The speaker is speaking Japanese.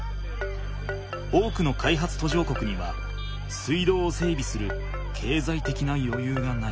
多くの開発途上国には水道を整備する経済的なよゆうがない。